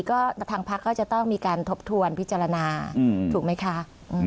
ก็ทางพักก็จะต้องมีการทบทวนพิจารณาถูกไหมคะ